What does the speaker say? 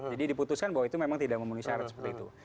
jadi diputuskan bahwa itu memang tidak memenuhi syarat seperti itu